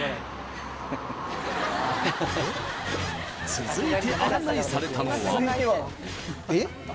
続いて案内されたのは。